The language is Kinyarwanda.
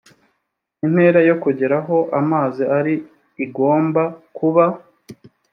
intera yo kugera aho amazi ari igomba kuba